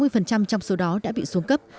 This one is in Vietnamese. sáu mươi trong số đó đã bị xuống cấp